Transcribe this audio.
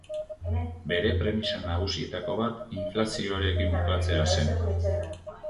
Bere premisa nagusietako bat inflazioarekin bukatzea zen.